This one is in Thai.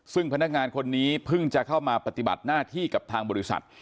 ซึ่งพนักงานคนนี้เพิ่งจะเข้ามาปฏิบัติหน้าที่กับทางบริษัท